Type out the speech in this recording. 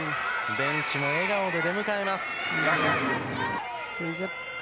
ベンチも笑顔で出迎えます。